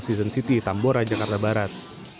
season city tambora jakarta barat